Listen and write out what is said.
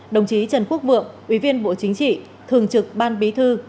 đồng chí trần quốc vượng ủy viên bộ chính trị thường trực ban bí thư